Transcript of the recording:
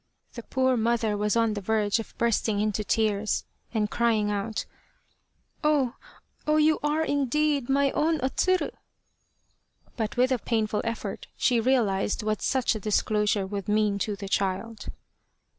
The poor mother was on the verge of bursting into tears and crying out :" Oh, oh ! You are indeed my own, O Tsuru !" But with a painful effort she realized what such a disclosure would mean to the child.